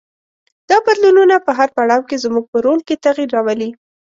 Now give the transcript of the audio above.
دا بدلونونه په هر پړاو کې زموږ په رول کې تغیر راولي.